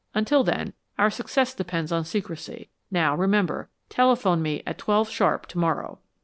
Until then, our success depends on secrecy. Now, remember, telephone me at twelve sharp tomorrow."